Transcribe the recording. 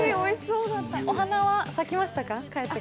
お花は咲きましたか？